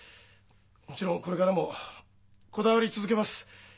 もちろんこれからもこだわり続けます。